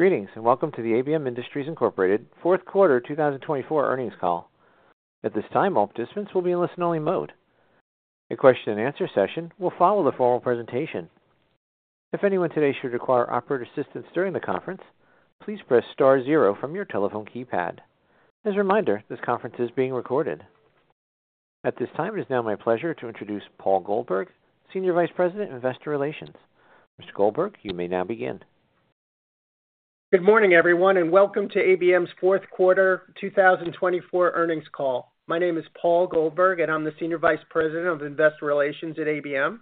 Greetings and welcome to the ABM Industries Incorporated Fourth Quarter 2024 earnings call. At this time, all participants will be in listen-only mode. A question-and-answer session will follow the formal presentation. If anyone today should require operator assistance during the conference, please press star zero from your telephone keypad. As a reminder, this conference is being recorded. At this time, it is now my pleasure to introduce Paul Goldberg, Senior Vice President of Investor Relations. Mr. Goldberg, you may now begin. Good morning, everyone, and welcome to ABM's Fourth Quarter 2024 earnings call. My name is Paul Goldberg, and I'm the Senior Vice President of Investor Relations at ABM.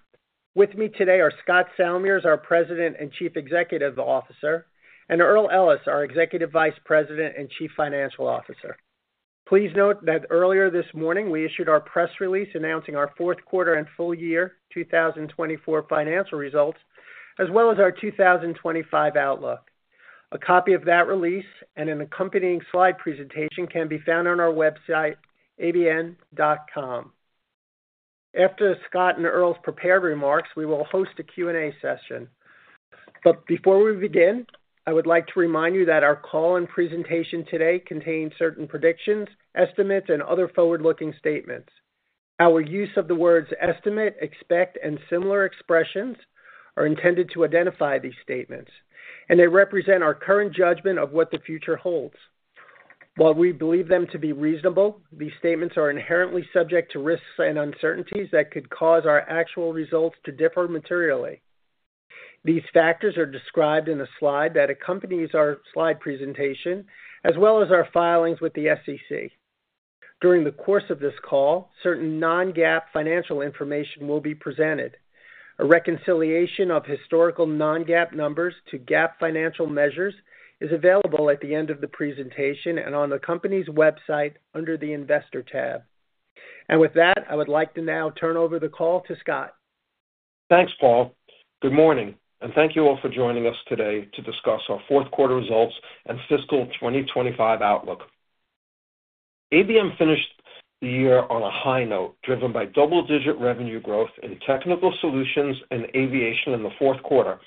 With me today are Scott Salmirs, our President and Chief Executive Officer, and Earl Ellis, our Executive Vice President and Chief Financial Officer. Please note that earlier this morning we issued our press release announcing our fourth quarter and full year 2024 financial results, as well as our 2025 outlook. A copy of that release and an accompanying slide presentation can be found on our website, abm.com. After Scott and Earl's prepared remarks, we will host a Q&A session. But before we begin, I would like to remind you that our call and presentation today contain certain predictions, estimates, and other forward-looking statements. Our use of the words estimate, expect, and similar expressions is intended to identify these statements, and they represent our current judgment of what the future holds. While we believe them to be reasonable, these statements are inherently subject to risks and uncertainties that could cause our actual results to differ materially. These factors are described in a slide that accompanies our slide presentation, as well as our filings with the SEC. During the course of this call, certain non-GAAP financial information will be presented. A reconciliation of historical non-GAAP numbers to GAAP financial measures is available at the end of the presentation and on the company's website under the Investor tab. And with that, I would like to now turn over the call to Scott. Thanks, Paul. Good morning, and thank you all for joining us today to discuss our fourth quarter results and fiscal 2025 outlook. ABM finished the year on a high note, driven by double-digit revenue growth in Technical Solutions and Aviation in the fourth quarter,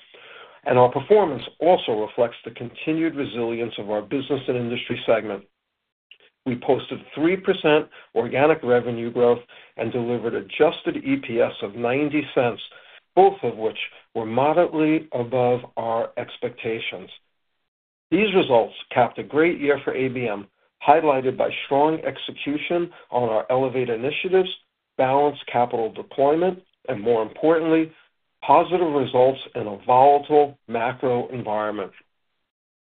and our performance also reflects the continued resilience of our Business & Industry segment. We posted 3% organic revenue growth and delivered Adjusted EPS of $0.90, both of which were moderately above our expectations. These results capped a great year for ABM, highlighted by strong execution on our Elevate initiatives, balanced capital deployment, and more importantly, positive results in a volatile macro environment.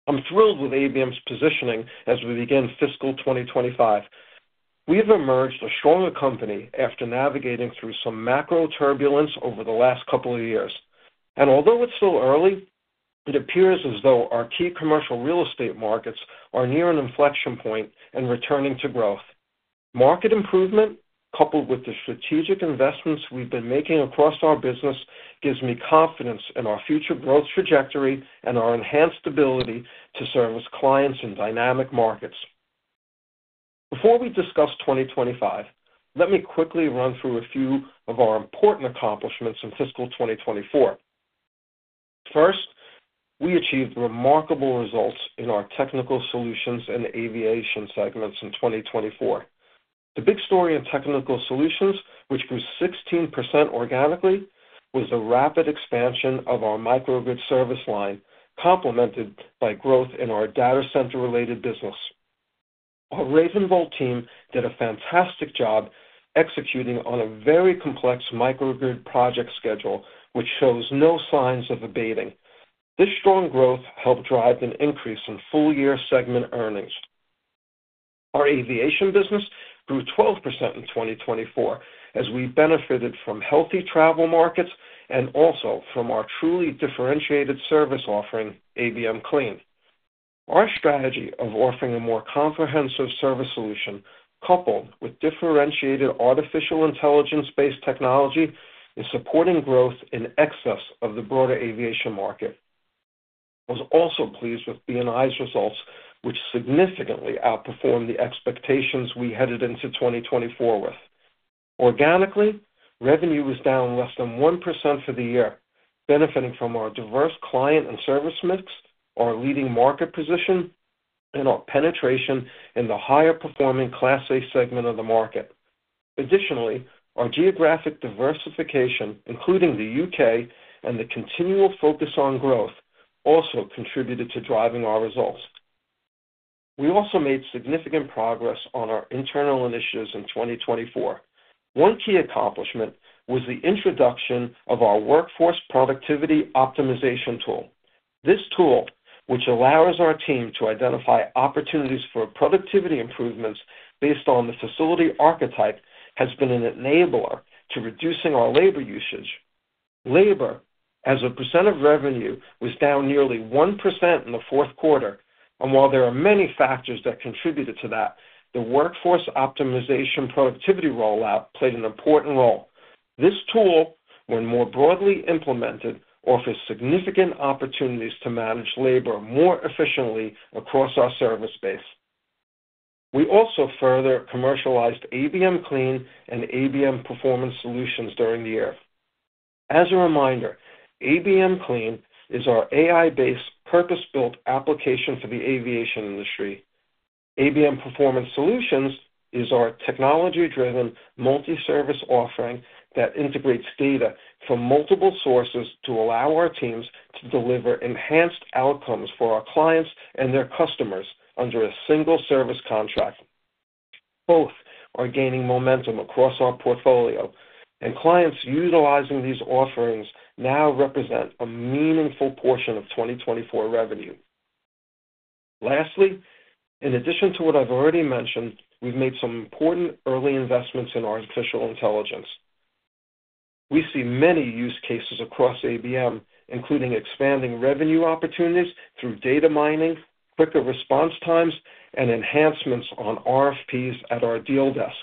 I'm thrilled with ABM's positioning as we begin fiscal 2025. We have emerged a stronger company after navigating through some macro turbulence over the last couple of years, and although it's still early, it appears as though our key commercial real estate markets are near an inflection point and returning to growth. Market improvement, coupled with the strategic investments we've been making across our business, gives me confidence in our future growth trajectory and our enhanced ability to service clients in dynamic markets. Before we discuss 2025, let me quickly run through a few of our important accomplishments in fiscal 2024. First, we achieved remarkable results in our Technical Solutions and Aviation segments in 2024. The big story in Technical Solutions, which grew 16% organically, was the rapid expansion of our microgrid service line, complemented by growth in our data center-related business. Our RavenVolt team did a fantastic job executing on a very complex microgrid project schedule, which shows no signs of abating. This strong growth helped drive an increase in full-year segment earnings. Our aviation business grew 12% in 2024 as we benefited from healthy travel markets and also from our truly differentiated service offering, ABM Clean. Our strategy of offering a more comprehensive service solution, coupled with differentiated artificial intelligence-based technology, is supporting growth in excess of the broader aviation market. I was also pleased with BNI's results, which significantly outperformed the expectations we headed into 2024 with. Organically, revenue was down less than 1% for the year, benefiting from our diverse client and service mix, our leading market position, and our penetration in the higher-performing Class A segment of the market. Additionally, our geographic diversification, including the UK, and the continual focus on growth also contributed to driving our results. We also made significant progress on our internal initiatives in 2024. One key accomplishment was the introduction of our Workforce Productivity Optimization Tool. This tool, which allows our team to identify opportunities for productivity improvements based on the facility archetype, has been an enabler to reducing our labor usage. Labor, as a percent of revenue, was down nearly 1% in the fourth quarter, and while there are many factors that contributed to that, the workforce optimization productivity rollout played an important role. This tool, when more broadly implemented, offers significant opportunities to manage labor more efficiently across our service base. We also further commercialized ABM Clean and ABM Performance Solutions during the year. As a reminder, ABM Clean is our AI-based purpose-built application for the aviation industry. ABM Performance Solutions is our technology-driven multi-service offering that integrates data from multiple sources to allow our teams to deliver enhanced outcomes for our clients and their customers under a single service contract. Both are gaining momentum across our portfolio, and clients utilizing these offerings now represent a meaningful portion of 2024 revenue. Lastly, in addition to what I've already mentioned, we've made some important early investments in artificial intelligence. We see many use cases across ABM, including expanding revenue opportunities through data mining, quicker response times, and enhancements on RFPs at our deal desk,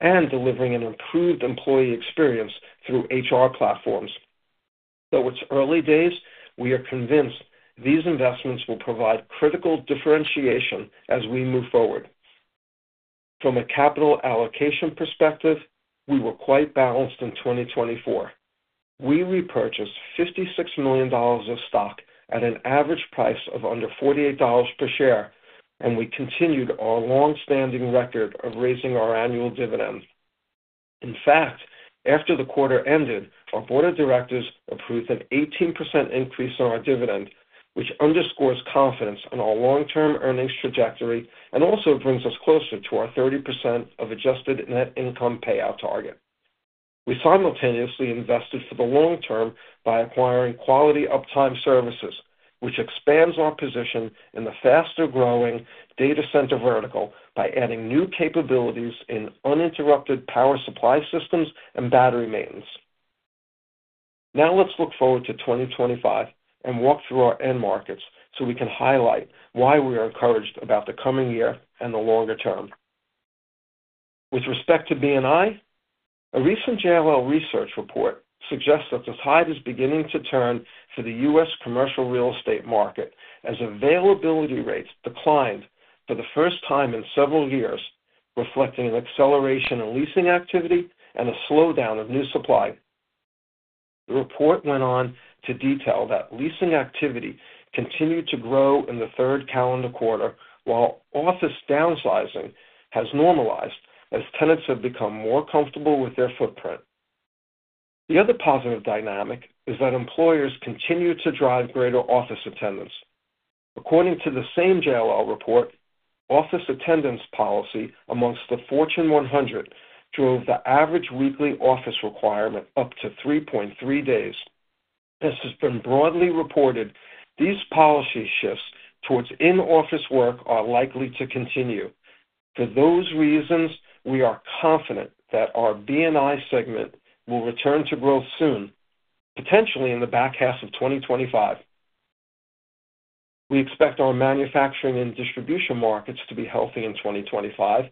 and delivering an improved employee experience through HR platforms. Though it's early days, we are convinced these investments will provide critical differentiation as we move forward. From a capital allocation perspective, we were quite balanced in 2024. We repurchased $56 million of stock at an average price of under $48 per share, and we continued our long-standing record of raising our annual dividend. In fact, after the quarter ended, our board of directors approved an 18% increase in our dividend, which underscores confidence in our long-term earnings trajectory and also brings us closer to our 30% of adjusted net income payout target. We simultaneously invested for the long term by acquiring Quality Uptime Services, which expands our position in the faster-growing data center vertical by adding new capabilities in uninterrupted power supply systems and battery maintenance. Now let's look forward to 2025 and walk through our end markets so we can highlight why we are encouraged about the coming year and the longer term. With respect to BNI, a recent JLL research report suggests that the tide is beginning to turn for the U.S. commercial real estate market as availability rates declined for the first time in several years, reflecting an acceleration in leasing activity and a slowdown of new supply. The report went on to detail that leasing activity continued to grow in the third calendar quarter, while office downsizing has normalized as tenants have become more comfortable with their footprint. The other positive dynamic is that employers continue to drive greater office attendance. According to the same JLL report, office attendance policy amongst the Fortune 100 drove the average weekly office requirement up to 3.3 days. As has been broadly reported, these policy shifts towards in-office work are likely to continue. For those reasons, we are confident that our BNI segment will return to growth soon, potentially in the back half of 2025. We expect our Manufacturing and Distribution markets to be healthy in 2025,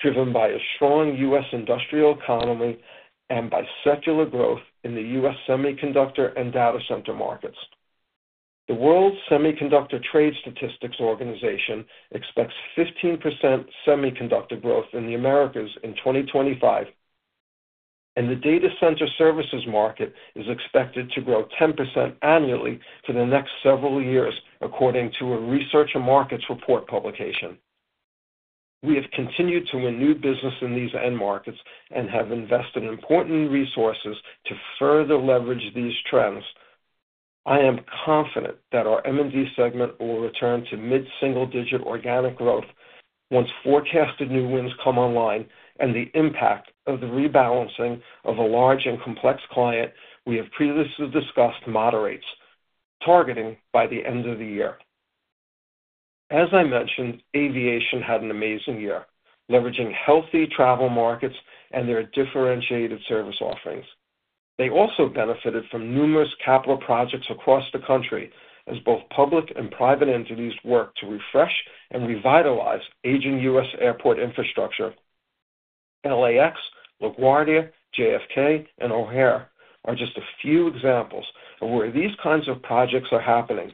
driven by a strong U.S. industrial economy and by secular growth in the U.S. semiconductor and data center markets. The World Semiconductor Trade Statistics expects 15% semiconductor growth in the Americas in 2025, and the data center services market is expected to grow 10% annually for the next several years, according to a Research and Markets report publication. We have continued to win new business in these end markets and have invested important resources to further leverage these trends. I am confident that our M&D segment will return to mid-single-digit organic growth once forecasted new wins come online and the impact of the rebalancing of a large and complex client we have previously discussed moderates, targeting by the end of the year. As I mentioned, Aviation had an amazing year, leveraging healthy travel markets and their differentiated service offerings. They also benefited from numerous capital projects across the country as both public and private entities worked to refresh and revitalize aging U.S. airport infrastructure. LAX, LaGuardia, JFK, and O'Hare are just a few examples of where these kinds of projects are happening.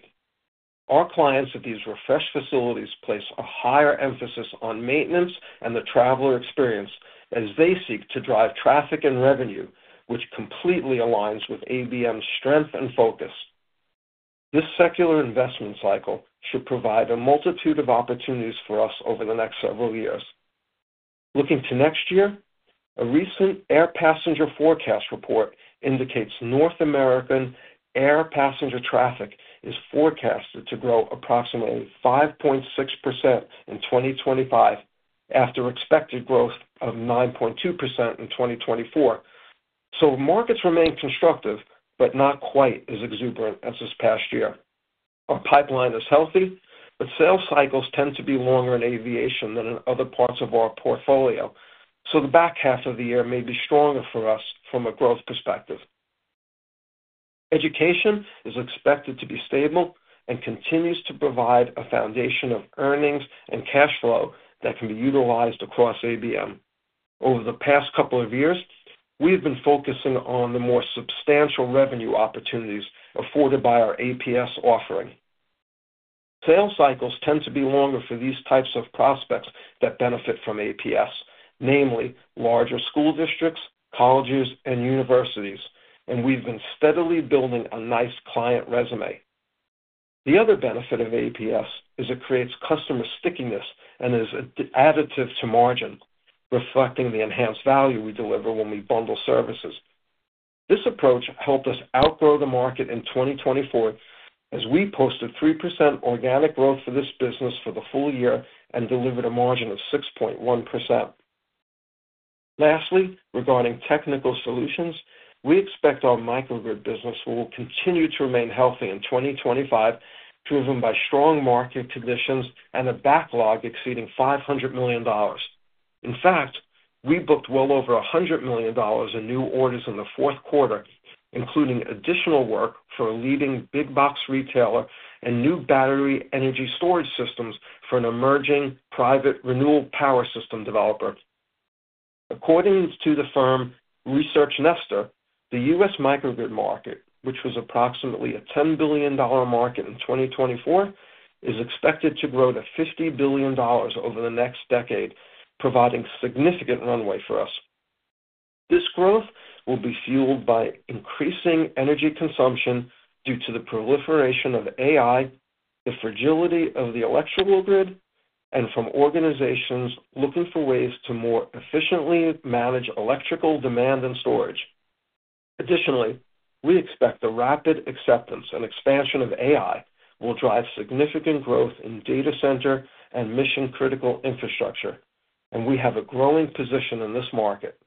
Our clients at these refreshed facilities place a higher emphasis on maintenance and the traveler experience as they seek to drive traffic and revenue, which completely aligns with ABM's strength and focus. This secular investment cycle should provide a multitude of opportunities for us over the next several years. Looking to next year, a recent air passenger forecast report indicates North American air passenger traffic is forecasted to grow approximately 5.6% in 2025, after expected growth of 9.2% in 2024. So markets remain constructive, but not quite as exuberant as this past year. Our pipeline is healthy, but sales cycles tend to be longer in aviation than in other parts of our portfolio, so the back half of the year may be stronger for us from a growth perspective. Education is expected to be stable and continues to provide a foundation of earnings and cash flow that can be utilized across ABM. Over the past couple of years, we've been focusing on the more substantial revenue opportunities afforded by our APS offering. Sales cycles tend to be longer for these types of prospects that benefit from APS, namely larger school districts, colleges, and universities, and we've been steadily building a nice client resume. The other benefit of APS is it creates customer stickiness and is additive to margin, reflecting the enhanced value we deliver when we bundle services. This approach helped us outgrow the market in 2024 as we posted 3% organic growth for this business for the full year and delivered a margin of 6.1%. Lastly, regarding Technical Solutions, we expect our microgrid business will continue to remain healthy in 2025, driven by strong market conditions and a backlog exceeding $500 million. In fact, we booked well over $100 million in new orders in the fourth quarter, including additional work for a leading big-box retailer and new battery energy storage systems for an emerging private renewable power system developer. According to the firm Research Nester, the U.S. microgrid market, which was approximately a $10 billion market in 2024, is expected to grow to $50 billion over the next decade, providing significant runway for us. This growth will be fueled by increasing energy consumption due to the proliferation of AI, the fragility of the electrical grid, and from organizations looking for ways to more efficiently manage electrical demand and storage. Additionally, we expect the rapid acceptance and expansion of AI will drive significant growth in data center and mission-critical infrastructure, and we have a growing position in this market.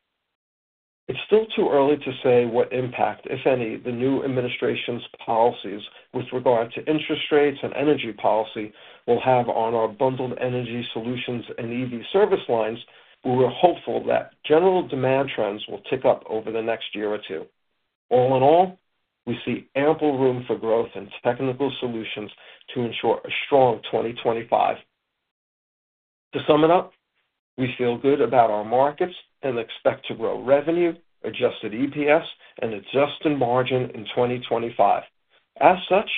It's still too early to say what impact, if any, the new administration's policies with regard to interest rates and energy policy will have on our bundled energy solutions and EV service lines, but we're hopeful that general demand trends will tick up over the next year or two. All in all, we see ample room for growth in Technical Solutions to ensure a strong 2025. To sum it up, we feel good about our markets and expect to grow revenue, Adjusted EPS, and adjusted margin in 2025. As such,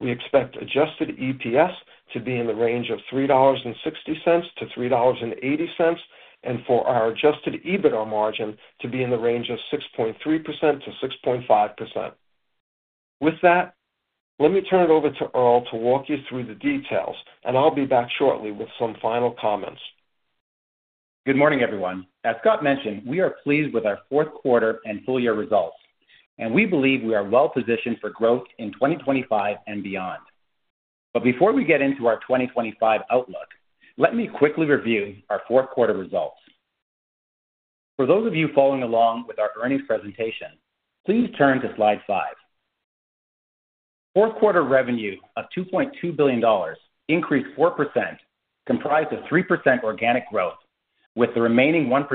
we expect Adjusted EPS to be in the range of $3.60-$3.80 and for our Adjusted EBITDA margin to be in the range of 6.3%-6.5%. With that, let me turn it over to Earl to walk you through the details, and I'll be back shortly with some final comments. Good morning, everyone. As Scott mentioned, we are pleased with our fourth quarter and full year results, and we believe we are well positioned for growth in 2025 and beyond. But before we get into our 2025 outlook, let me quickly review our fourth quarter results. For those of you following along with our earnings presentation, please turn to slide five. Fourth quarter revenue of $2.2 billion, increased 4%, comprised of 3% organic growth, with the remaining 1%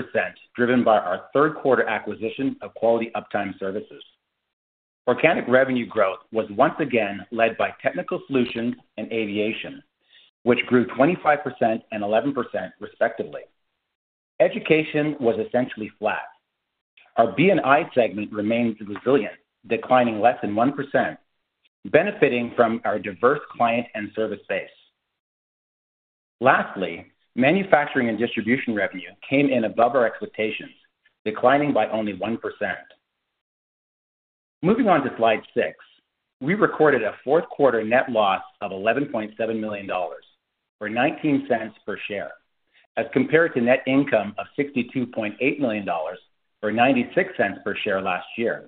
driven by our third quarter acquisition of Quality Uptime Services. Organic revenue growth was once again led by Technical Solutions and Aviation, which grew 25% and 11%, respectively. Education was essentially flat. Our BNI segment remained resilient, declining less than 1%, benefiting from our diverse client and service base. Lastly, Manufacturing and Distribution revenue came in above our expectations, declining by only 1%. Moving on to slide six, we recorded a fourth quarter net loss of $11.7 million or $0.19 per share, as compared to net income of $62.8 million or $0.96 per share last year.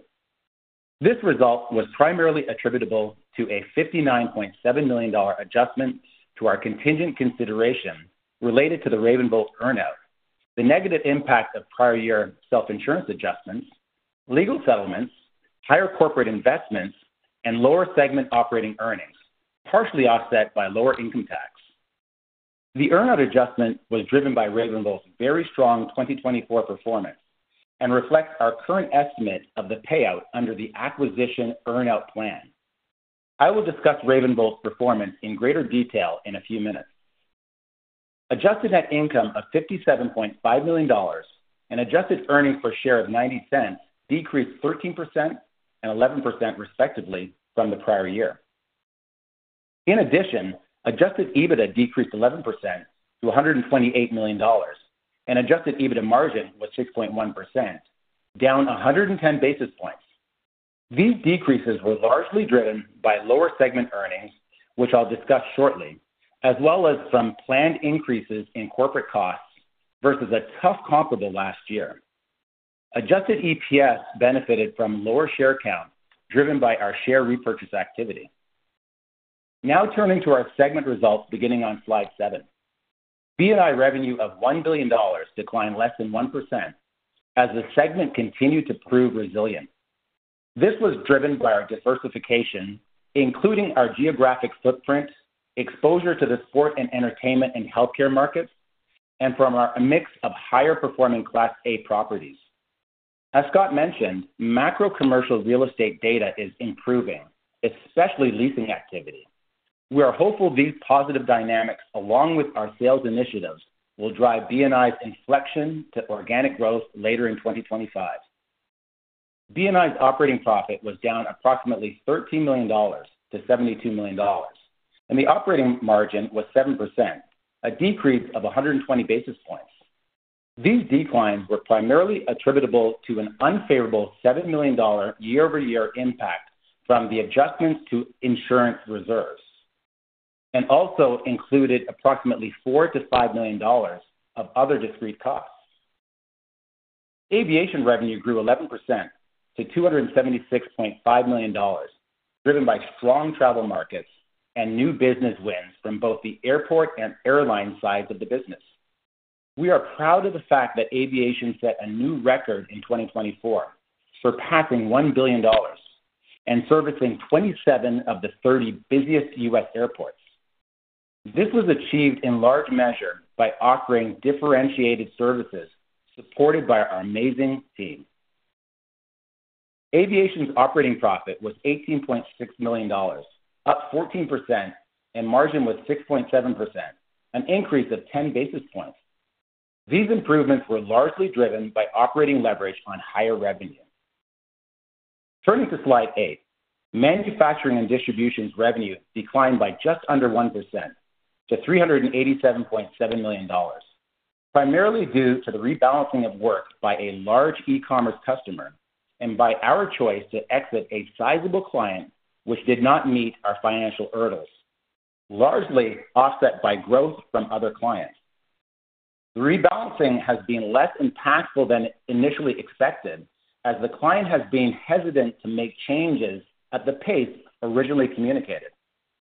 This result was primarily attributable to a $59.7 million adjustment to our contingent consideration related to the RavenVolt earnout, the negative impact of prior year self-insurance adjustments, legal settlements, higher corporate investments, and lower segment operating earnings, partially offset by lower income tax. The earnout adjustment was driven by RavenVolt's very strong 2024 performance and reflects our current estimate of the payout under the acquisition earnout plan. I will discuss RavenVolt's performance in greater detail in a few minutes. Adjusted net income of $57.5 million and Adjusted Earnings per Share of $0.90 decreased 13% and 11%, respectively, from the prior year. In addition, Adjusted EBITDA decreased 11% to $128 million, and Adjusted EBITDA margin was 6.1%, down 110 basis points. These decreases were largely driven by lower segment earnings, which I'll discuss shortly, as well as some planned increases in corporate costs versus a tough comparable last year. Adjusted EPS benefited from lower share count driven by our share repurchase activity. Now turning to our segment results beginning on slide seven, BNI revenue of $1 billion declined less than 1% as the segment continued to prove resilient. This was driven by our diversification, including our geographic footprint, exposure to the sport and entertainment and healthcare markets, and from our mix of higher performing Class A properties. As Scott mentioned, macro commercial real estate data is improving, especially leasing activity. We are hopeful these positive dynamics, along with our sales initiatives, will drive BNI's inflection to organic growth later in 2025. BNI's operating profit was down approximately $13 million to $72 million, and the operating margin was 7%, a decrease of 120 basis points. These declines were primarily attributable to an unfavorable $7 million year-over-year impact from the adjustments to insurance reserves and also included approximately $4-$5 million of other discrete costs. Aviation revenue grew 11% to $276.5 million, driven by strong travel markets and new business wins from both the airport and airline sides of the business. We are proud of the fact that aviation set a new record in 2024, surpassing $1 billion and servicing 27 of the 30 busiest U.S. airports. This was achieved in large measure by offering differentiated services supported by our amazing team. Aviation's operating profit was $18.6 million, up 14%, and margin was 6.7%, an increase of 10 basis points. These improvements were largely driven by operating leverage on higher revenue. Turning to slide eight, Manufacturing and Distribution revenue declined by just under 1% to $387.7 million, primarily due to the rebalancing of work by a large e-commerce customer and by our choice to exit a sizable client, which did not meet our financial hurdles, largely offset by growth from other clients. The rebalancing has been less impactful than initially expected, as the client has been hesitant to make changes at the pace originally communicated.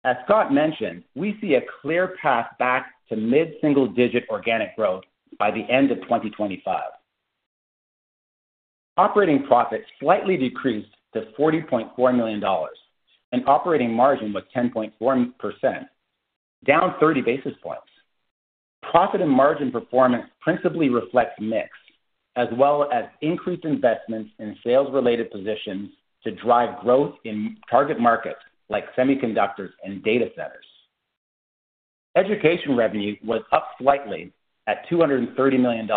As Scott mentioned, we see a clear path back to mid-single-digit organic growth by the end of 2025. Operating profit slightly decreased to $40.4 million, and operating margin was 10.4%, down 30 basis points. Profit and margin performance principally reflects mix, as well as increased investments in sales-related positions to drive growth in target markets like semiconductors and data centers. Education revenue was up slightly at $230 million,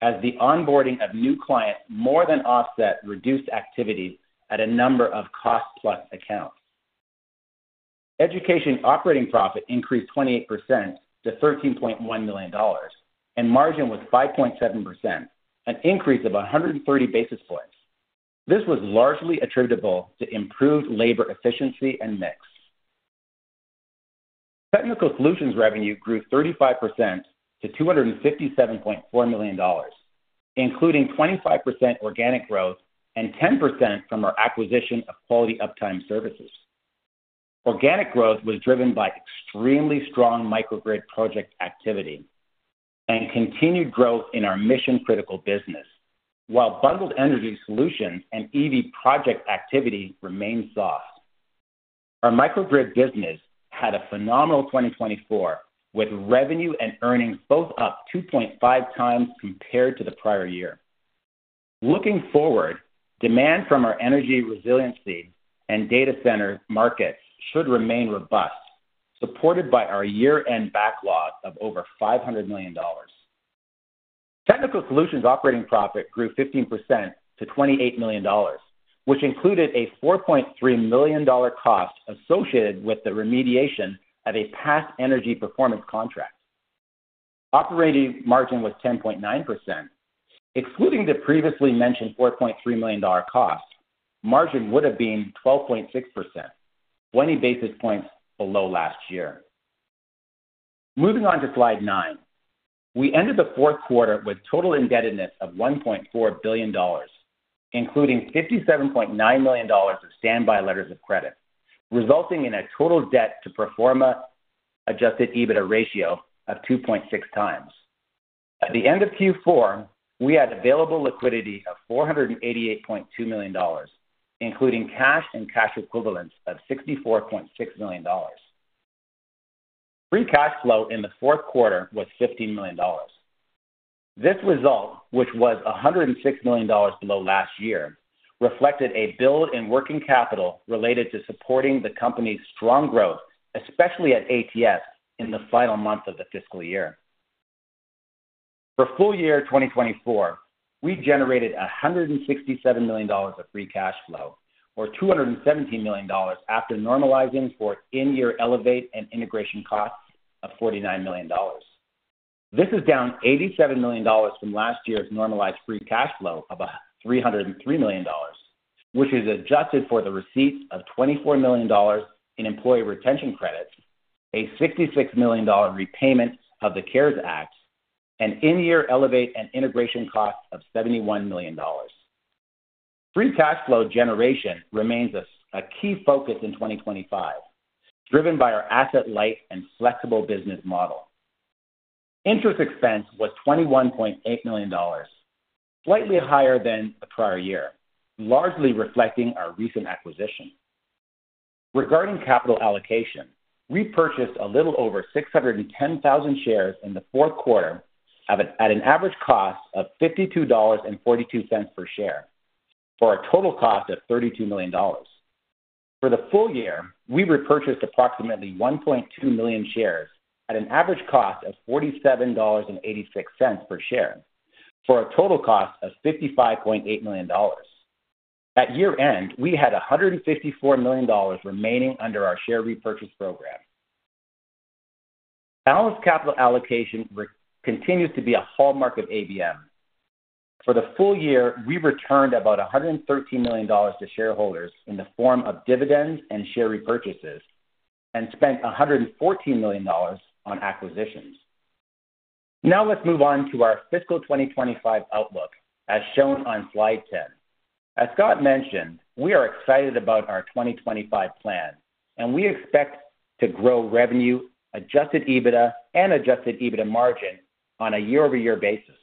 as the onboarding of new clients more than offset reduced activities at a number of cost-plus accounts. Education operating profit increased 28% to $13.1 million, and margin was 5.7%, an increase of 130 basis points. This was largely attributable to improved labor efficiency and mix. Technical Solutions revenue grew 35% to $257.4 million, including 25% organic growth and 10% from our acquisition of Quality Uptime Services. Organic growth was driven by extremely strong microgrid project activity and continued growth in our mission-critical business, while Bundled Energy Solutions and EV project activity remained soft. Our microgrid business had a phenomenal 2024, with revenue and earnings both up 2.5 times compared to the prior year. Looking forward, demand from our energy resiliency and data center markets should remain robust, supported by our year-end backlog of over $500 million. Technical Solutions operating profit grew 15% to $28 million, which included a $4.3 million cost associated with the remediation of a past energy performance contract. Operating margin was 10.9%. Excluding the previously mentioned $4.3 million cost, margin would have been 12.6%, 20 basis points below last year. Moving on to slide nine, we ended the fourth quarter with total indebtedness of $1.4 billion, including $57.9 million of standby letters of credit, resulting in a total debt to pro forma Adjusted EBITDA ratio of 2.6 times. At the end of Q4, we had available liquidity of $488.2 million, including cash and cash equivalents of $64.6 million. Free cash flow in the fourth quarter was $15 million. This result, which was $106 million below last year, reflected a build in working capital related to supporting the company's strong growth, especially at ATS in the final month of the fiscal year. For full year 2024, we generated $167 million of free cash flow, or $217 million after normalizing for in-year Elevate and integration costs of $49 million. This is down $87 million from last year's normalized free cash flow of $303 million, which is adjusted for the receipts of $24 million in employee retention credits, a $66 million repayment of the CARES Act, and in-year Elevate and integration costs of $71 million. Free cash flow generation remains a key focus in 2025, driven by our asset-light and flexible business model. Interest expense was $21.8 million, slightly higher than the prior year, largely reflecting our recent acquisition. Regarding capital allocation, we purchased a little over 610,000 shares in the fourth quarter at an average cost of $52.42 per share for a total cost of $32 million. For the full year, we repurchased approximately 1.2 million shares at an average cost of $47.86 per share for a total cost of $55.8 million. At year-end, we had $154 million remaining under our share repurchase program. Balanced capital allocation continues to be a hallmark of ABM. For the full year, we returned about $113 million to shareholders in the form of dividends and share repurchases and spent $114 million on acquisitions. Now let's move on to our fiscal 2025 outlook, as shown on slide 10. As Scott mentioned, we are excited about our 2025 plan, and we expect to grow revenue, Adjusted EBITDA, and Adjusted EBITDA margin on a year-over-year basis.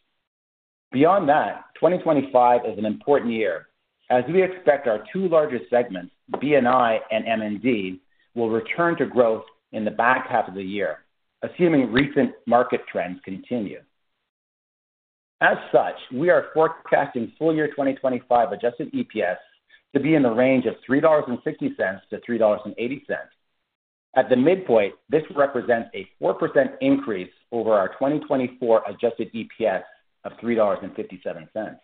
Beyond that, 2025 is an important year, as we expect our two largest segments, BNI and M&D, will return to growth in the back half of the year, assuming recent market trends continue. As such, we are forecasting full year 2025 Adjusted EPS to be in the range of $3.60-$3.80. At the midpoint, this represents a 4% increase over our 2024 Adjusted EPS of $3.57.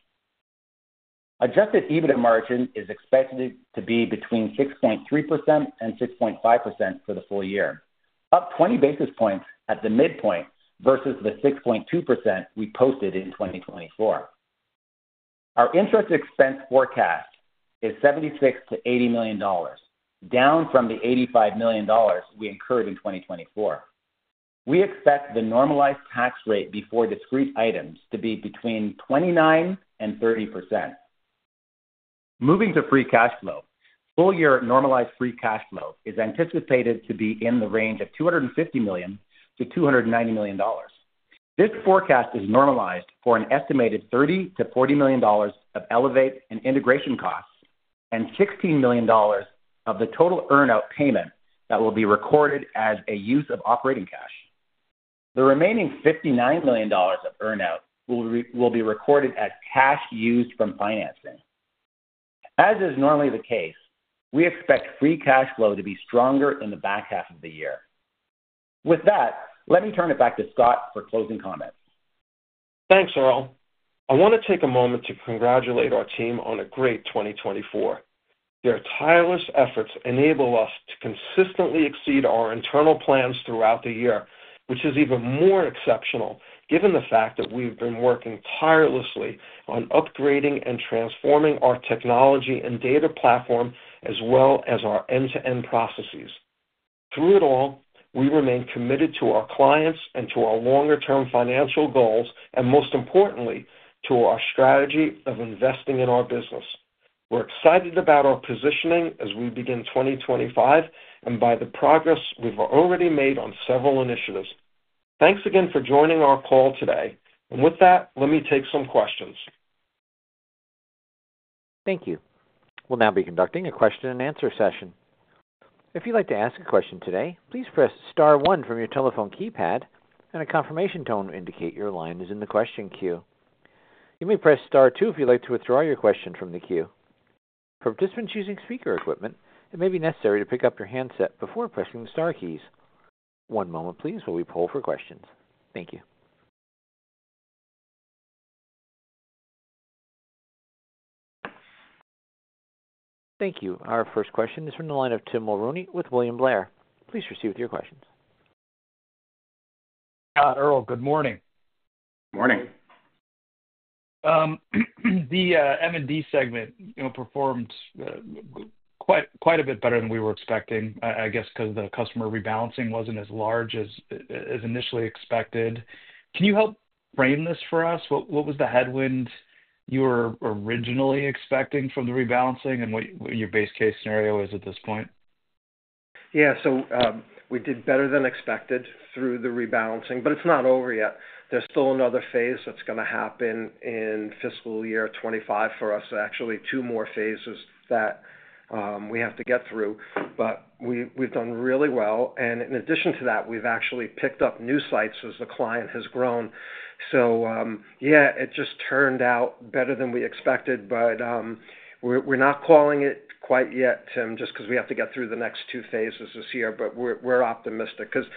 Adjusted EBITDA margin is expected to be between 6.3% and 6.5% for the full year, up 20 basis points at the midpoint versus the 6.2% we posted in 2024. Our interest expense forecast is $76-$80 million, down from the $85 million we incurred in 2024. We expect the normalized tax rate before discrete items to be between 29% and 30%. Moving to free cash flow, full year normalized free cash flow is anticipated to be in the range of $250-$290 million. This forecast is normalized for an estimated $30-$40 million of Elevate and integration costs and $16 million of the total earnout payment that will be recorded as a use of operating cash. The remaining $59 million of earnout will be recorded as cash used from financing. As is normally the case, we expect free cash flow to be stronger in the back half of the year. With that, let me turn it back to Scott for closing comments. Thanks, Earl. I want to take a moment to congratulate our team on a great 2024. Their tireless efforts enable us to consistently exceed our internal plans throughout the year, which is even more exceptional given the fact that we've been working tirelessly on upgrading and transforming our technology and data platform, as well as our end-to-end processes. Through it all, we remain committed to our clients and to our longer-term financial goals, and most importantly, to our strategy of investing in our business. We're excited about our positioning as we begin 2025 and by the progress we've already made on several initiatives. Thanks again for joining our call today. And with that, let me take some questions. Thank you. We'll now be conducting a question-and-answer session. If you'd like to ask a question today, please press star one from your telephone keypad, and a confirmation tone will indicate your line is in the question queue. You may press star two if you'd like to withdraw your question from the queue. For participants using speaker equipment, it may be necessary to pick up your handset before pressing the star keys. One moment, please, while we pull for questions. Thank you. Thank you. Our first question is from the line of Tim Mulrooney with William Blair. Please proceed with your questions. Earl, good morning. Good morning. The M&D segment performed quite a bit better than we were expecting, I guess, because the customer rebalancing wasn't as large as initially expected. Can you help frame this for us? What was the headwind you were originally expecting from the rebalancing, and what your base case scenario is at this point? Yeah. So we did better than expected through the rebalancing, but it's not over yet. There's still another phase that's going to happen in fiscal year 2025 for us. Actually, two more phases that we have to get through. But we've done really well. And in addition to that, we've actually picked up new sites as the client has grown. So yeah, it just turned out better than we expected, but we're not calling it quite yet, Tim, just because we have to get through the next two phases this year. But we're optimistic because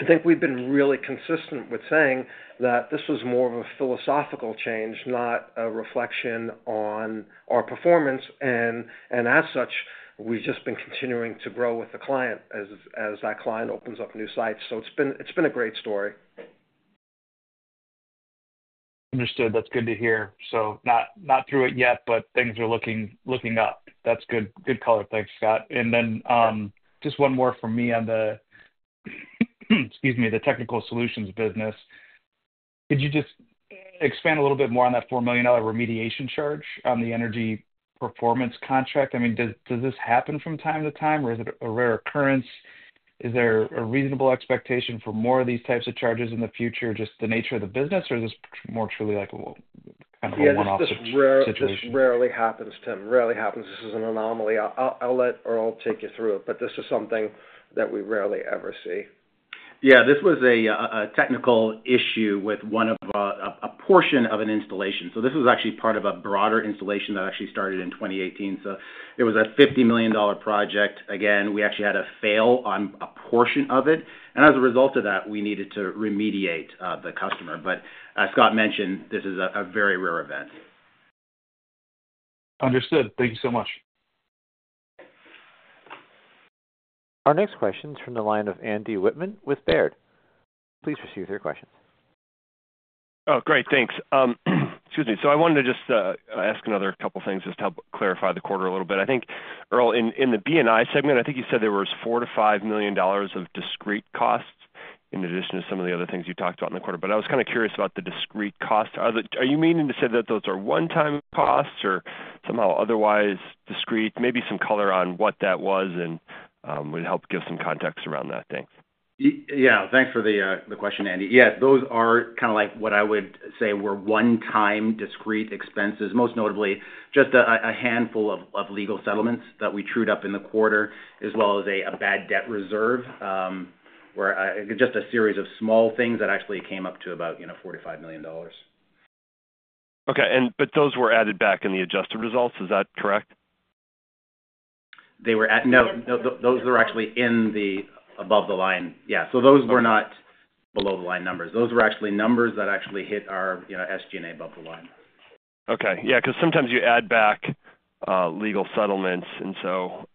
I think we've been really consistent with saying that this was more of a philosophical change, not a reflection on our performance. And as such, we've just been continuing to grow with the client as that client opens up new sites. So it's been a great story. Understood. That's good to hear. So not through it yet, but things are looking up. That's good color. Thanks, Scott. And then just one more from me on the, excuse me, the technical solutions business. Could you just expand a little bit more on that $4 million remediation charge on the energy performance contract? I mean, does this happen from time to time, or is it a rare occurrence? Is there a reasonable expectation for more of these types of charges in the future, just the nature of the business, or is this more truly kind of a one-off situation? Yeah. This rarely happens, Tim. Rarely happens. This is an anomaly. I'll let Earl take you through it, but this is something that we rarely ever see. Yeah. This was a technical issue with a portion of an installation. So this was actually part of a broader installation that actually started in 2018. So it was a $50 million project. Again, we actually had a fail on a portion of it. And as a result of that, we needed to remediate the customer. But as Scott mentioned, this is a very rare event. Understood. Thank you so much. Our next question is from the line of Andy Whitman with Baird. Please proceed with your questions. Oh, great. Thanks. Excuse me. So I wanted to just ask another couple of things just to help clarify the quarter a little bit. I think, Earl, in the BNI segment, I think you said there were $4-$5 million of discrete costs in addition to some of the other things you talked about in the quarter. But I was kind of curious about the discrete costs. Are you meaning to say that those are one-time costs or somehow otherwise discrete? Maybe some color on what that was and would help give some context around that. Thanks. Yeah. Thanks for the question, Andy. Yeah. Those are kind of like what I would say were one-time discrete expenses, most notably just a handful of legal settlements that we trued up in the quarter, as well as a bad debt reserve where just a series of small things that actually came up to about $45 million. Okay. But those were added back in the adjusted results. Is that correct? They were. No. Those were actually in the above-the-line. Yeah. So those were not below-the-line numbers. Those were actually numbers that actually hit our SG&A above-the-line. Okay. Yeah. Because sometimes you add back legal settlements. And so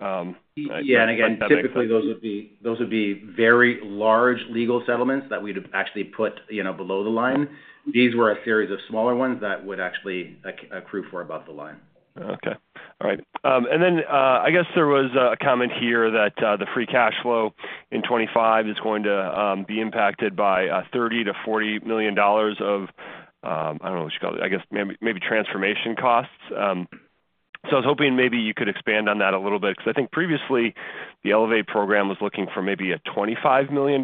yeah, and again, typically, those would be very large legal settlements that we'd actually put below the line. These were a series of smaller ones that would actually accrue for above the line. Okay. All right. And then I guess there was a comment here that the free cash flow in 2025 is going to be impacted by $30-$40 million of, I don't know what you'd call it, I guess, maybe transformation costs. So I was hoping maybe you could expand on that a little bit because I think previously the Elevate program was looking for maybe a $25 million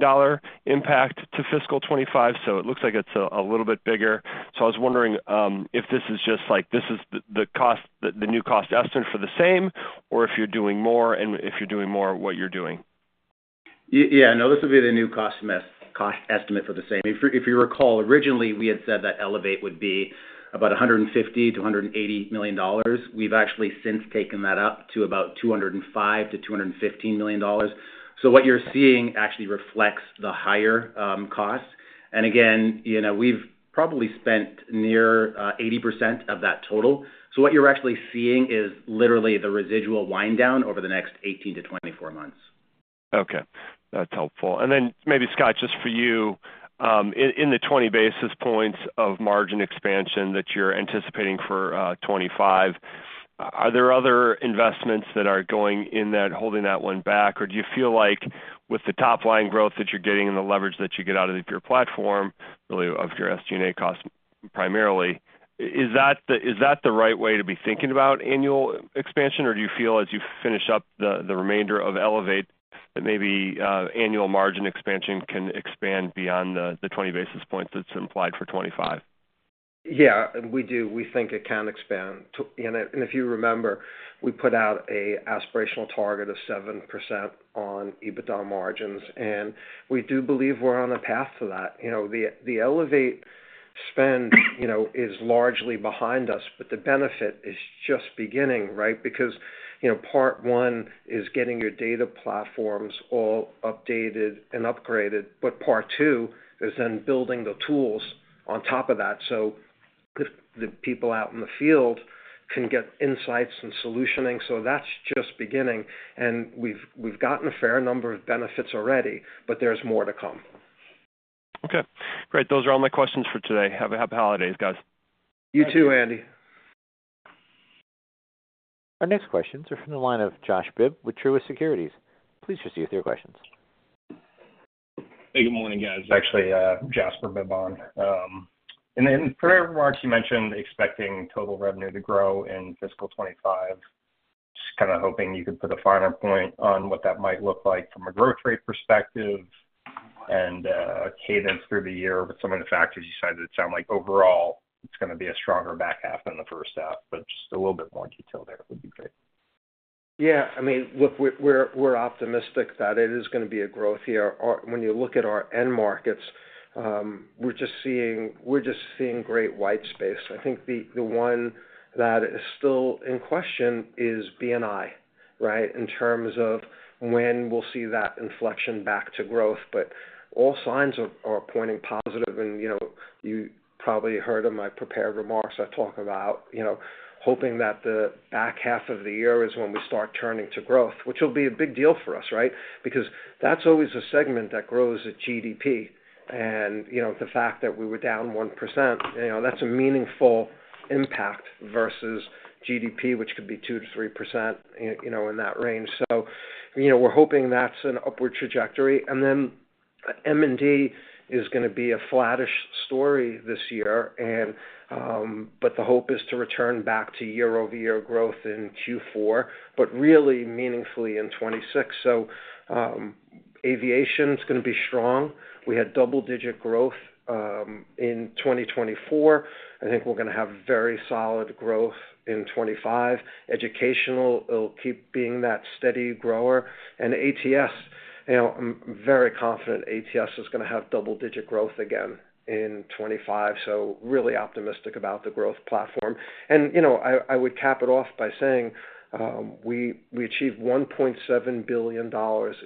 impact to fiscal 2025. So it looks like it's a little bit bigger. So I was wondering if this is just like this is the new cost estimate for the same, or if you're doing more, and if you're doing more of what you're doing. Yeah. No, this would be the new cost estimate for the same. If you recall, originally, we had said that Elevate would be about $150-$180 million. We've actually since taken that up to about $205-$215 million. So what you're seeing actually reflects the higher costs. And again, we've probably spent near 80% of that total. So what you're actually seeing is literally the residual wind down over the next 18-24 months. Okay. That's helpful. And then maybe, Scott, just for you, in the 20 basis points of margin expansion that you're anticipating for 2025, are there other investments that are going in that holding that one back? Or do you feel like with the top-line growth that you're getting and the leverage that you get out of your platform, really of your SG&A costs primarily, is that the right way to be thinking about annual expansion? Or do you feel as you finish up the remainder of Elevate that maybe annual margin expansion can expand beyond the 20 basis points that's implied for 2025? Yeah. We do. We think it can expand. And if you remember, we put out an aspirational target of 7% on EBITDA margins. And we do believe we're on a path to that. The Elevate spend is largely behind us, but the benefit is just beginning, right? Because part one is getting your data platforms all updated and upgraded, but part two is then building the tools on top of that so the people out in the field can get insights and solutioning. So that's just beginning. And we've gotten a fair number of benefits already, but there's more to come. Okay. Great. Those are all my questions for today. Have a happy holidays, guys. You too, Andy. Our next questions are from the line of Josh Bibb with Truist Securities. Please proceed with your questions. Hey. Good morning, guys. Actually, Jasper Bibb on. And then for our remarks, you mentioned expecting total revenue to grow in fiscal 2025. Just kind of hoping you could put a finer point on what that might look like from a growth rate perspective and cadence through the year with some of the factors you cited. It sounds like overall, it's going to be a stronger back half than the first half, but just a little bit more detail there would be great. Yeah. I mean, look, we're optimistic that it is going to be a growth year. When you look at our end markets, we're just seeing great white space. I think the one that is still in question is BNI, right, in terms of when we'll see that inflection back to growth, but all signs are pointing positive, and you probably heard in my prepared remarks I talk about hoping that the back half of the year is when we start turning to growth, which will be a big deal for us, right? Because that's always a segment that grows at GDP, and the fact that we were down 1%, that's a meaningful impact versus GDP, which could be 2%-3% in that range, so we're hoping that's an upward trajectory, and then M&D is going to be a flattish story this year, but the hope is to return back to year-over-year growth in Q4, but really meaningfully in 2026, so aviation is going to be strong. We had double-digit growth in 2024. I think we're going to have very solid growth in 2025. Education will keep being that steady grower. And ATS, I'm very confident ATS is going to have double-digit growth again in 2025. So really optimistic about the growth platform. And I would cap it off by saying we achieved $1.7 billion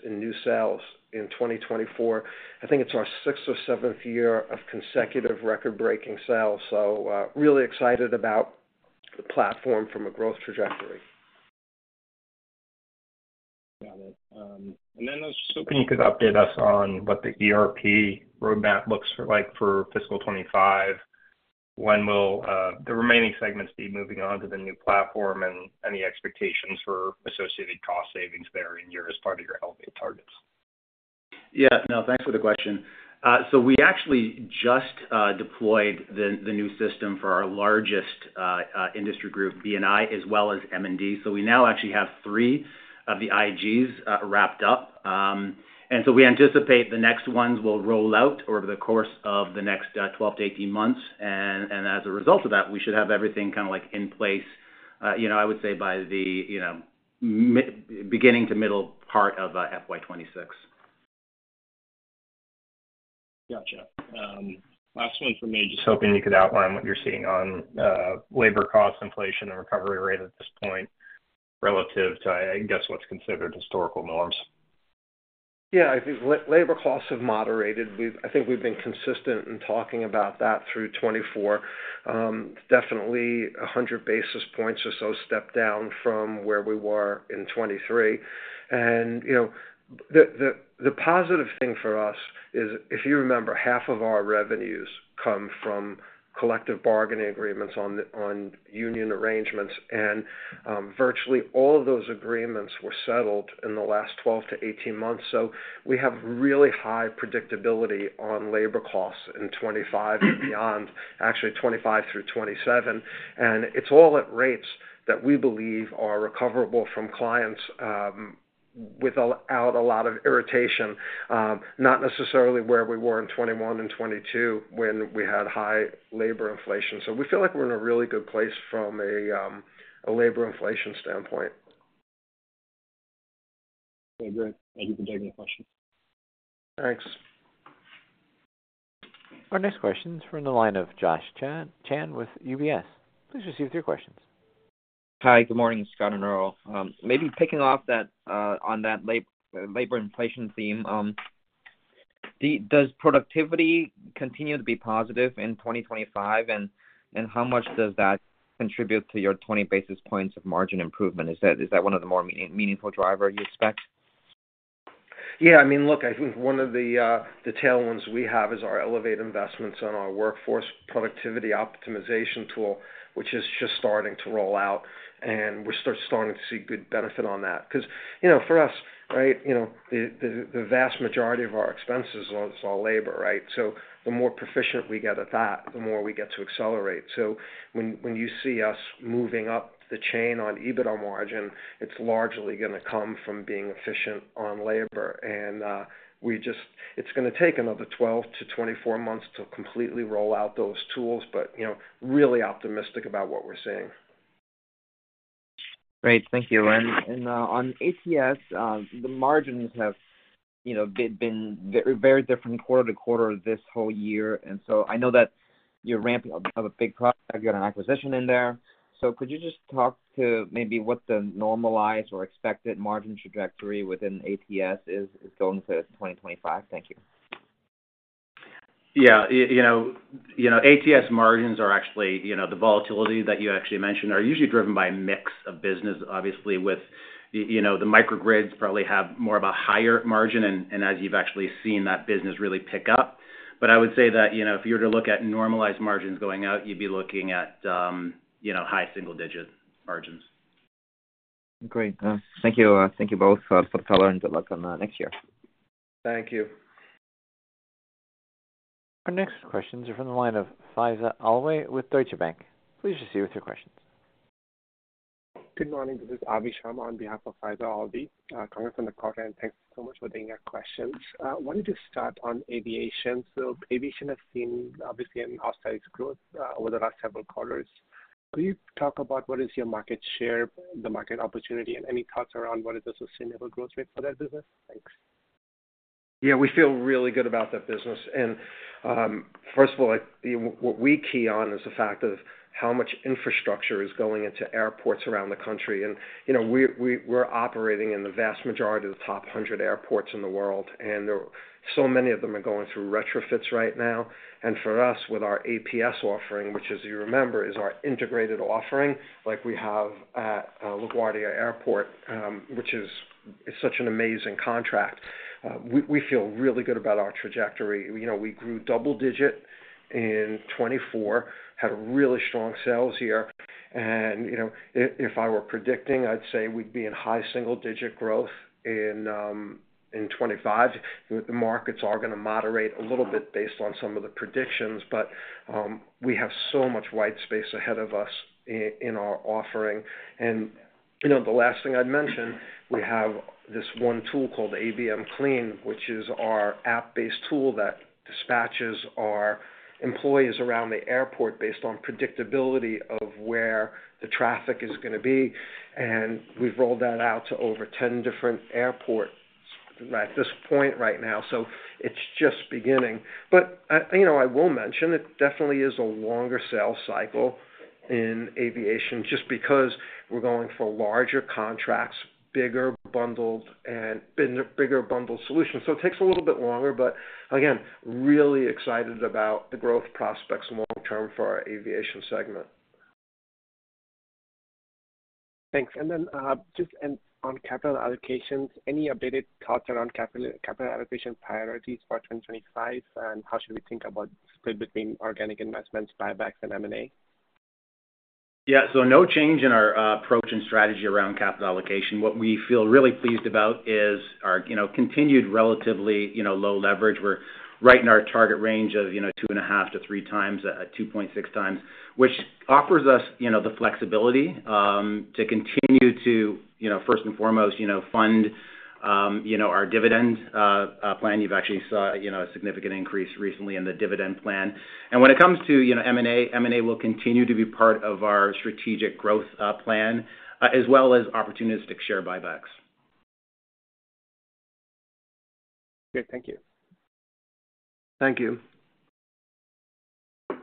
in new sales in 2024. I think it's our sixth or seventh year of consecutive record-breaking sales. So really excited about the platform from a growth trajectory. Got it. And then I was hoping you could update us on what the ERP roadmap looks like for fiscal 2025. When will the remaining segments be moving on to the new platform, and any expectations for associated cost savings there, as part of your Elevate targets? Yeah. No, thanks for the question. We actually just deployed the new system for our largest industry group, BNI, as well as M&D. So we now actually have three of the IGs wrapped up. And so we anticipate the next ones will roll out over the course of the next 12-18 months. And as a result of that, we should have everything kind of in place, I would say, by the beginning to middle part of FY2026. Gotcha. Last one for me. Just hoping you could outline what you're seeing on labor costs, inflation, and recovery rate at this point relative to, I guess, what's considered historical norms. Yeah. I think labor costs have moderated. I think we've been consistent in talking about that through 2024. Definitely 100 basis points or so step down from where we were in 2023. The positive thing for us is, if you remember, half of our revenues come from collective bargaining agreements on union arrangements. Virtually all of those agreements were settled in the last 12-18 months. So we have really high predictability on labor costs in 2025 and beyond, actually 2025 through 2027. It's all at rates that we believe are recoverable from clients without a lot of irritation, not necessarily where we were in 2021 and 2022 when we had high labor inflation. So we feel like we're in a really good place from a labor inflation standpoint. Okay. Great. Thank you for taking the questions. Thanks. Our next question is from the line of Josh Chan with UBS. Please proceed with your questions. Hi. Good morning, Scott and Earl. Maybe picking up on that labor inflation theme, does productivity continue to be positive in 2025? And how much does that contribute to your 20 basis points of margin improvement? Is that one of the more meaningful drivers you expect? Yeah. I mean, look, I think one of the tailwinds we have is our Elevate investments on our Workforce Productivity Optimization Tool, which is just starting to roll out. And we're starting to see good benefit on that. Because for us, right, the vast majority of our expenses is all labor, right? So the more proficient we get at that, the more we get to accelerate. So when you see us moving up the chain on EBITDA margin, it's largely going to come from being efficient on labor. And it's going to take another 12-24 months to completely roll out those tools, but really optimistic about what we're seeing. Great. Thank you. And on ATS, the margins have been very different quarter to quarter this whole year. And so I know that you're ramping up a big project. You got an acquisition in there. So could you just talk to maybe what the normalized or expected margin trajectory within ATS is going to 2025? Thank you. Yeah. ATS margins are actually the volatility that you actually mentioned are usually driven by a mix of business, obviously, with the microgrids probably have more of a higher margin. And as you've actually seen that business really pick up. But I would say that if you were to look at normalized margins going out, you'd be looking at high single-digit margins. Great. Thank you both for the color and good luck on the next year. Thank you. Our next questions are from the line of Faiza Alwy with Deutsche Bank. Please proceed with your questions. Good morning. This is Avi Sharma on behalf of Faiza Alwy. Coming from the quarter, and thanks so much for the questions. I wanted to start on aviation. So aviation has seen, obviously, an outsized growth over the last several quarters. Could you talk about what is your market share, the market opportunity, and any thoughts around what is a sustainable growth rate for that business? Thanks. Yeah. We feel really good about that business. And first of all, what we key on is the fact of how much infrastructure is going into airports around the country. And we're operating in the vast majority of the top 100 airports in the world. And so many of them are going through retrofits right now. And for us, with our APS offering, which, as you remember, is our integrated offering, like we have at LaGuardia Airport, which is such an amazing contract, we feel really good about our trajectory. We grew double-digit in 2024, had a really strong sales year. And if I were predicting, I'd say we'd be in high single-digit growth in 2025. The markets are going to moderate a little bit based on some of the predictions, but we have so much white space ahead of us in our offering. And the last thing I'd mention, we have this one tool called ABM Clean, which is our app-based tool that dispatches our employees around the airport based on predictability of where the traffic is going to be. And we've rolled that out to over 10 different airports at this point right now. So it's just beginning. But I will mention it definitely is a longer sales cycle in Aviation just because we're going for larger contracts, bigger bundled solutions. So it takes a little bit longer, but again, really excited about the growth prospects long-term for our Aviation segment. Thanks. And then just on capital allocations, any updated thoughts around capital allocation priorities for 2025? And how should we think about the split between organic investments, buybacks, and M&A? Yeah. So no change in our approach and strategy around capital allocation. What we feel really pleased about is our continued relatively low leverage. We're right in our target range of two and a half to three times at 2.6 x, which offers us the flexibility to continue to, first and foremost, fund our dividend plan. You've actually saw a significant increase recently in the dividend plan. When it comes to M&A, M&A will continue to be part of our strategic growth plan as well as opportunistic share buybacks. Great. Thank you. Thank you.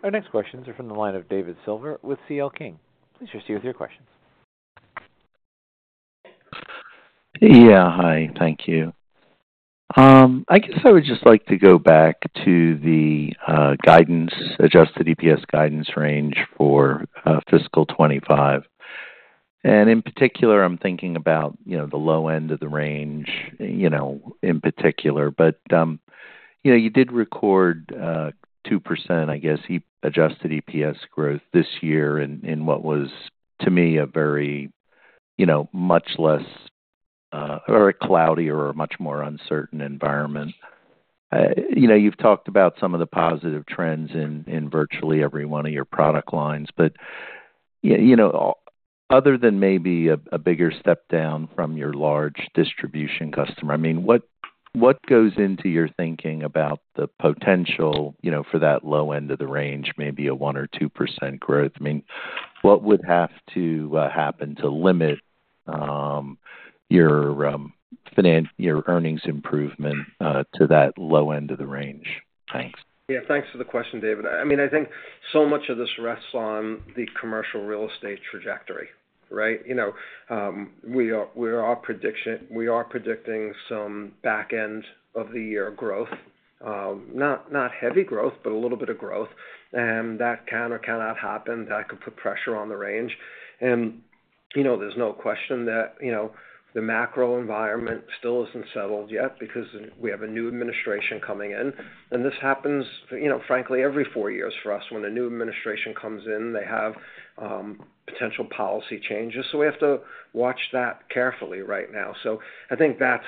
Our next questions are from the line of David Silver with CL King. Please proceed with your questions. Yeah. Hi. Thank you. I guess I would just like to go back to the guidance, Adjusted EPS guidance range for fiscal 2025. And in particular, I'm thinking about the low end of the range in particular. But you did record 2%, I guess, Adjusted EPS growth this year in what was, to me, a very much less or a cloudier or a much more uncertain environment. You've talked about some of the positive trends in virtually every one of your product lines. But other than maybe a bigger step down from your large distribution customer, I mean, what goes into your thinking about the potential for that low end of the range, maybe a 1% or 2% growth? I mean, what would have to happen to limit your earnings improvement to that low end of the range? Thanks. Yeah. Thanks for the question, David. I mean, I think so much of this rests on the commercial real estate trajectory, right? We are predicting some back end of the year growth, not heavy growth, but a little bit of growth. And that can or cannot happen that could put pressure on the range. And there's no question that the macro environment still isn't settled yet because we have a new administration coming in. And this happens, frankly, every four years for us. When a new administration comes in, they have potential policy changes. So we have to watch that carefully right now. So I think that's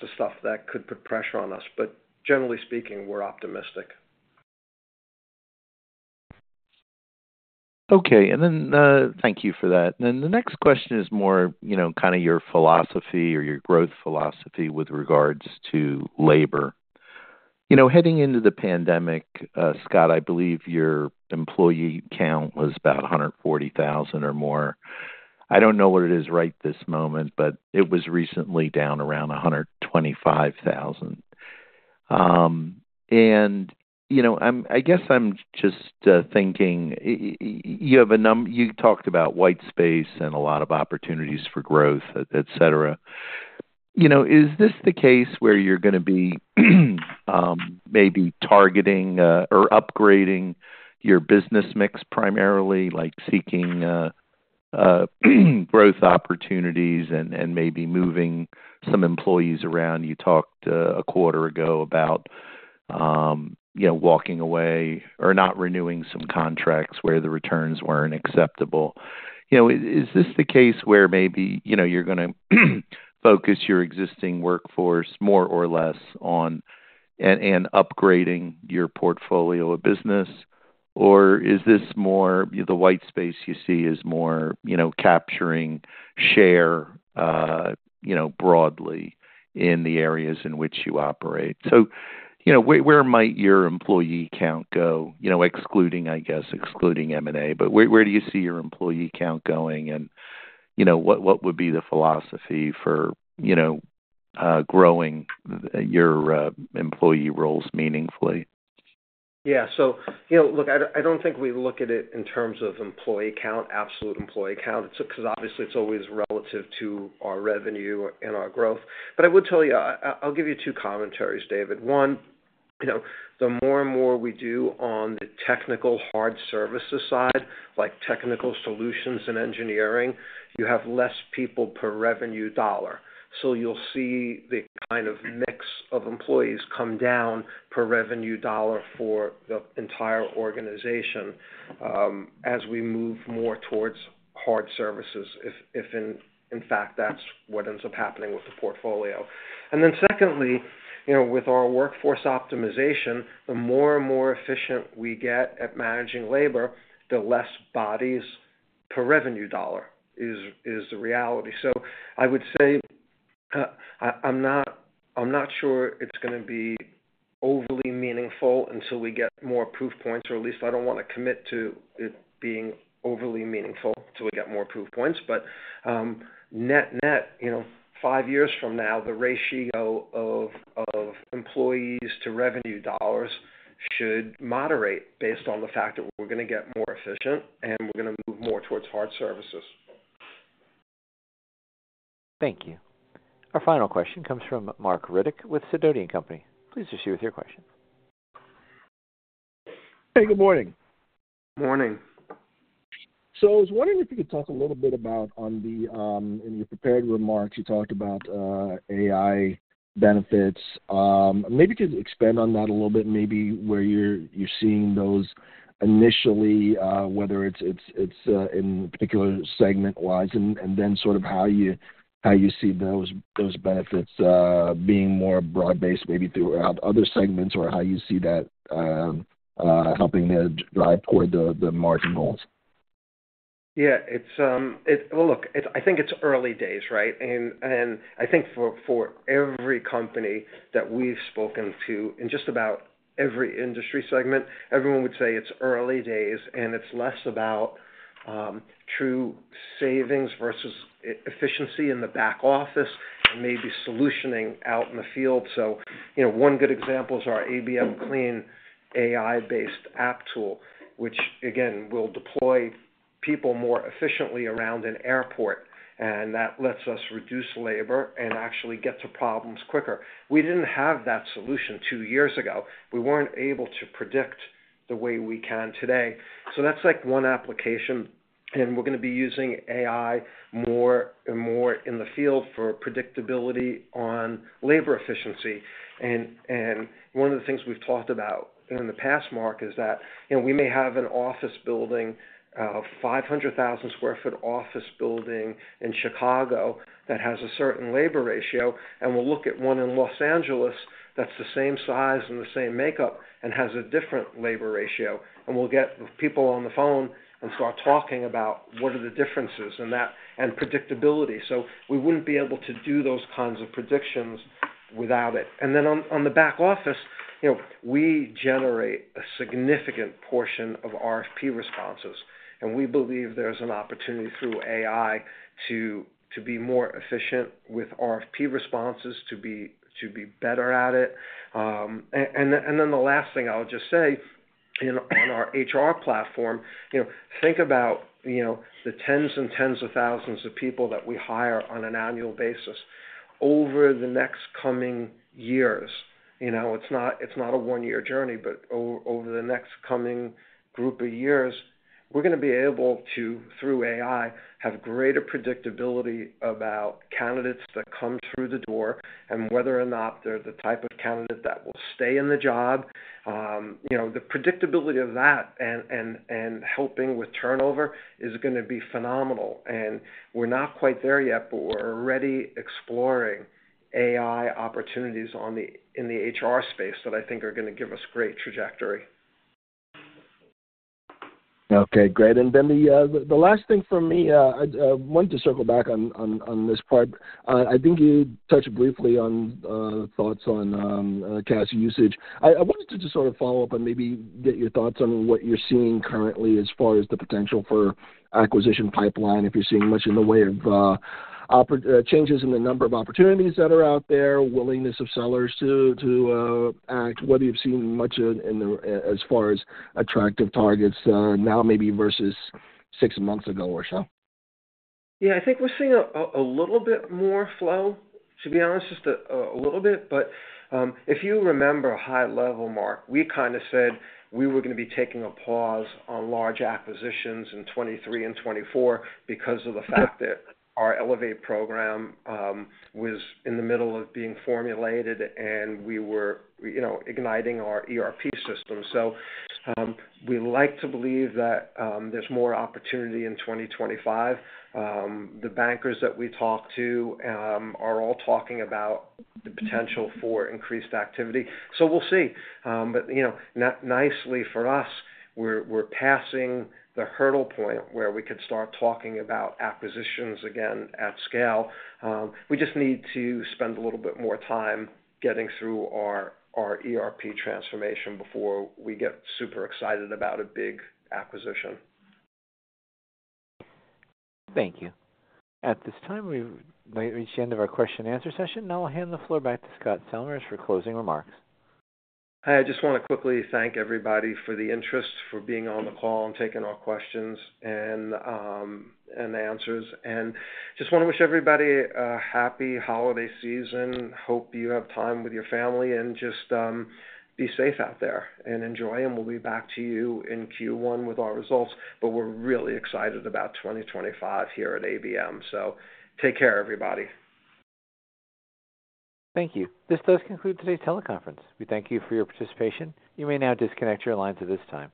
the stuff that could put pressure on us. But generally speaking, we're optimistic. Okay. And then thank you for that. And then the next question is more kind of your philosophy or your growth philosophy with regards to labor. Heading into the pandemic, Scott, I believe your employee count was about 140,000 or more. I don't know what it is right this moment, but it was recently down around 125,000. And I guess I'm just thinking you talked about white space and a lot of opportunities for growth, etc. Is this the case where you're going to be maybe targeting or upgrading your business mix primarily, like seeking growth opportunities and maybe moving some employees around? You talked a quarter ago about walking away or not renewing some contracts where the returns weren't acceptable. Is this the case where maybe you're going to focus your existing workforce more or less on and upgrading your portfolio of business? Or is this more the white space you see is more capturing share broadly in the areas in which you operate? So where might your employee count go, excluding, I guess, excluding M&A? But where do you see your employee count going? And what would be the philosophy for growing your employee roles meaningfully? Yeah. So look, I don't think we look at it in terms of employee count, absolute employee count. Because obviously, it's always relative to our revenue and our growth. But I would tell you, I'll give you two commentaries, David. One, the more and more we do on the technical hard services side, like technical solutions and engineering, you have less people per revenue dollar, so you'll see the kind of mix of employees come down per revenue dollar for the entire organization as we move more towards hard services, if in fact that's what ends up happening with the portfolio, and then secondly, with our workforce optimization, the more and more efficient we get at managing labor, the less bodies per revenue dollar is the reality, so I would say I'm not sure it's going to be overly meaningful until we get more proof points, or at least I don't want to commit to it being overly meaningful until we get more proof points. But net net, five years from now, the ratio of employees to revenue dollars should moderate based on the fact that we're going to get more efficient and we're going to move more towards hard services. Thank you. Our final question comes from Marc Riddick with Sidoti & Company. Please proceed with your question. Hey, good morning. Morning. So I was wondering if you could talk a little bit about on the in your prepared remarks, you talked about AI benefits. Maybe could you expand on that a little bit, maybe where you're seeing those initially, whether it's in particular segment-wise, and then sort of how you see those benefits being more broad-based maybe throughout other segments or how you see that helping to drive toward the margin goals? Yeah. Well, look, I think it's early days, right? I think for every company that we've spoken to in just about every industry segment, everyone would say it's early days. It's less about true savings versus efficiency in the back office and maybe solutioning out in the field. One good example is our ABM Clean AI-based app tool, which, again, will deploy people more efficiently around an airport. That lets us reduce labor and actually get to problems quicker. We didn't have that solution two years ago. We weren't able to predict the way we can today. That's like one application. We're going to be using AI more and more in the field for predictability on labor efficiency. One of the things we've talked about in the past, Marc, is that we may have an office building, a 500,000 sq ft office building in Chicago that has a certain labor ratio. And we'll look at one in Los Angeles that's the same size and the same makeup and has a different labor ratio. And we'll get the people on the phone and start talking about what are the differences and predictability. So we wouldn't be able to do those kinds of predictions without it. And then on the back office, we generate a significant portion of RFP responses. And we believe there's an opportunity through AI to be more efficient with RFP responses, to be better at it. And then the last thing I'll just say on our HR platform, think about the tens and tens of thousands of people that we hire on an annual basis over the next coming years. It's not a one-year journey, but over the next coming group of years, we're going to be able to, through AI, have greater predictability about candidates that come through the door and whether or not they're the type of candidate that will stay in the job. The predictability of that and helping with turnover is going to be phenomenal. And we're not quite there yet, but we're already exploring AI opportunities in the HR space that I think are going to give us great trajectory. Okay. Great. And then the last thing for me, I wanted to circle back on this part. I think you touched briefly on thoughts on cash usage. I wanted to just sort of follow up and maybe get your thoughts on what you're seeing currently as far as the potential for acquisition pipeline, if you're seeing much in the way of changes in the number of opportunities that are out there, willingness of sellers to act, whether you've seen much as far as attractive targets now maybe versus six months ago or so? Yeah. I think we're seeing a little bit more flow, to be honest, just a little bit. But if you remember high level, Marc, we kind of said we were going to be taking a pause on large acquisitions in 2023 and 2024 because of the fact that our Elevate program was in the middle of being formulated and we were igniting our ERP system. So we like to believe that there's more opportunity in 2025. The bankers that we talk to are all talking about the potential for increased activity. So we'll see. But nicely for us, we're passing the hurdle point where we could start talking about acquisitions again at scale. We just need to spend a little bit more time getting through our ERP transformation before we get super excited about a big acquisition. Thank you. At this time, we've reached the end of our question-and-answer session. I'll hand the floor back to Scott Salmirs for closing remarks. Hi. I just want to quickly thank everybody for the interest, for being on the call and taking our questions and answers. And just want to wish everybody a happy holiday season. Hope you have time with your family and just be safe out there and enjoy. And we'll be back to you in Q1 with our results. But we're really excited about 2025 here at ABM. So take care, everybody. Thank you. This does conclude today's teleconference. We thank you for your participation. You may now disconnect your lines at this time.